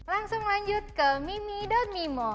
langsung lanjut ke mimmy mimo